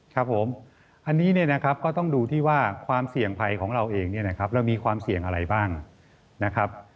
ครับผมอันนี้ก็ต้องดูที่ว่าความเสี่ยงภัยของเราเองเรามีความเสี่ยงอะไรบ้างนะครับ